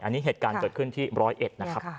อันนี้เหตุการณ์เกิดขึ้นที่๑๐๑นะครับ